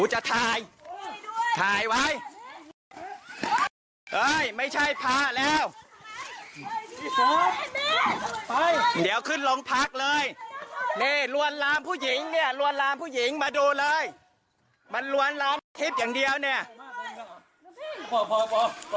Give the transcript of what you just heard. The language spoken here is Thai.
เห็นไหมเห็นไหมเห็นไหมเนี่ยมามากอดป้ามกับผู้หญิงเนี่ยมากอดป้ามกับผู้หญิงมาจับนมลูกสาวผมเนี่ยคอเป็นลอยเลย